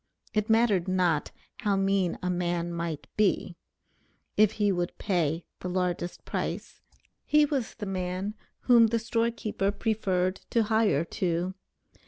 "It mattered not, how mean a man might be," if he would pay the largest price, he was the man whom the store keeper preferred to hire to.